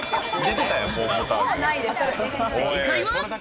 正解は。